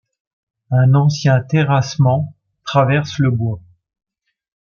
Un ancien terrassement traverse le bois.